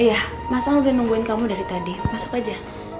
iya masang udah nungguin kamu dari tadi masuk aja